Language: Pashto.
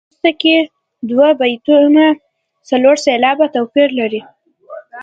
په وروسته کې دوه بیتونه څلور سېلابه توپیر لري.